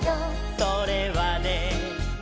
「それはね」